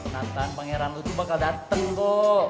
nathan pangeran lo tuh bakal dateng kok